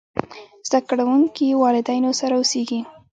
زده کړونکي والدينو سره اوسېږي.